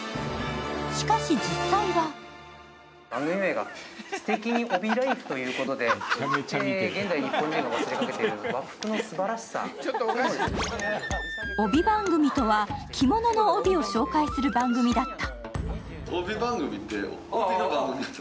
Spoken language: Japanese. しかし、実際は帯番組とは、着物の帯を紹介する番組だった。